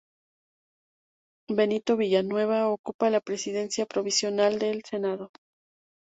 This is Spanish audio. Benito Villanueva ocupa la Presidencia Provisional del Senado.